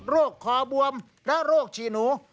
โรคคอบวมและโรคชีหนู